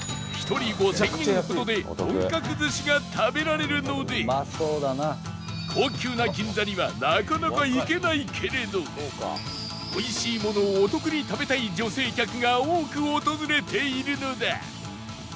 １人５０００円ほどで本格寿司が食べられるので高級な銀座にはなかなか行けないけれど美味しいものをお得に食べたい女性客が多く訪れているのだ